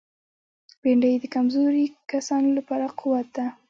بېنډۍ د کمزوري کسانو لپاره قوت ده